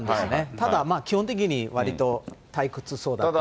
ただ、まあ基本的に、わりと退屈そうだったんです。